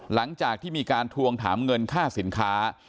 หลังจากที่มีการทวงถามเงินค่าสินค้า